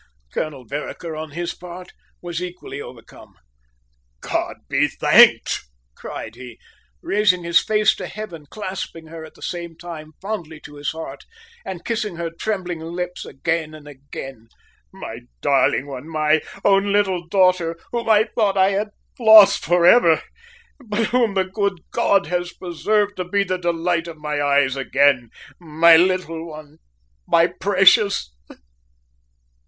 Colonel Vereker, on his part, was equally overcome. "God be thanked!" cried he, raising his face to heaven, clasping her at the same time fondly to his heart and kissing her trembling lips again and again. "My darling one, my own little daughter, whom I thought I had lost for ever, but whom the good God has preserved to be the delight of my eyes again, my little one, my precious!"